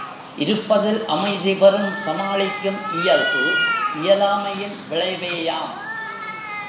இருப்பதில் அமைதிபெறும் சமாளிக்கும் இயல்பு இயலாமையின் விளைவேயாம்.